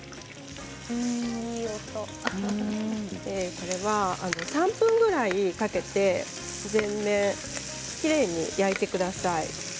これは３分ぐらいかけてきれいに焼いてください。